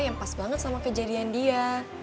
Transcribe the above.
yang pas banget sama kejadian dia